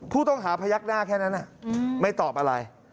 ผู้ต้องหาพยักหน้าแค่นั้นไม่ตอบอะไร